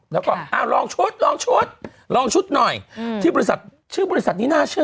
แล้วก็อ่าวลองชวดลองชวดลองชวดหน่อยชื่อบริษัท